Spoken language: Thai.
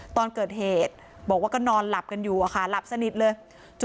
ตอนเกิดเหตุบอกว่าก็นอนหลับกันอยู่อะค่ะหลับสนิทเลย